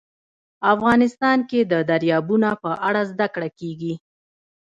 افغانستان کې د دریابونه په اړه زده کړه کېږي.